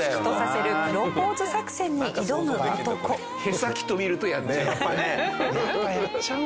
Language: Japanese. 舳先と見るとやっちゃう。